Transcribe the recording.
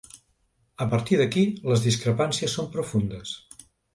A partir d’aquí, les discrepàncies són profundes.